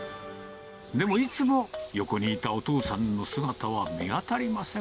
でも、いつも横にいたお父さんの姿は見当たりません。